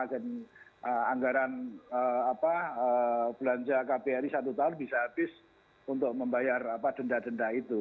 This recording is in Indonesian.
jadi anggaran belanja kbri satu tahun bisa habis untuk membayar denda denda itu